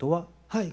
はい。